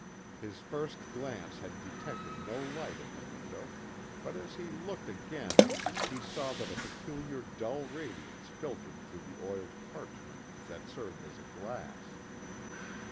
His first glance had detected no light in the window, but as he looked again, he saw that a peculiar dull radiance filtered through the oiled parchment that served as a glass.